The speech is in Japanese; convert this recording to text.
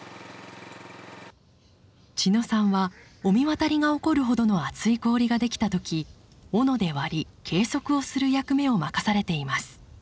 茅野さんは御神渡りが起こるほどの厚い氷が出来た時斧で割り計測をする役目を任されています。